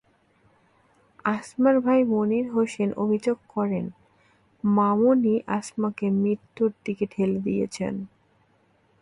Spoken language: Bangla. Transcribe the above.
আসমার ভাই মনির হোসেন অভিযোগ করেন, মামুনই আসমাকে মৃত্যুর দিকে ঠেলে দিয়েছেন।